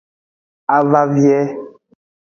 A va vie.